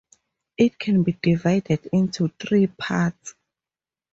It can be divided into three parts.